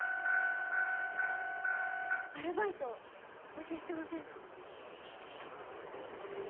アルバイト募集してませんか？